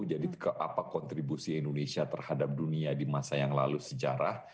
jadi ke apa kontribusi indonesia terhadap dunia di masa yang lalu sejarah